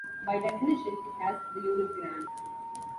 By definition, it has the unit gram.